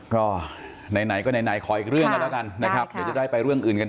ก็ไหนขออีกเรื่องแล้วกันนะครับจะได้ไปเรื่องอื่นกัน